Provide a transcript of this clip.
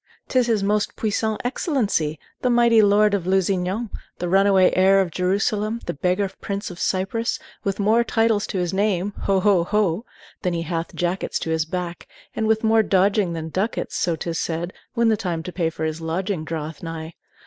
'T is his Most Puissant Excellency, the mighty Lord of Lusignan, the runaway Heir of Jerusalem, the beggar Prince of Cyprus, with more titles to his name ho ho, ho! than he hath jackets to his back; and with more dodging than ducats, so 't is said, when the time to pay for his lodging draweth nigh.